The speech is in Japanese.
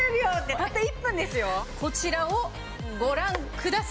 こちらをご覧ください！